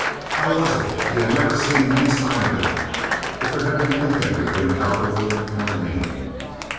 How was it he had never seen any sign of it, if there had been anything between Cowperwood and Aileen?